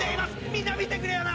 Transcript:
みんな見てくれよな！